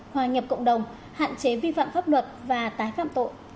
hòa nhập cộng đồng hạn chế vi phạm pháp luật và tái phạm tội